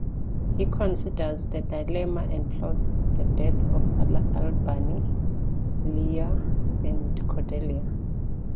He considers the dilemma and plots the deaths of Albany, Lear, and Cordelia.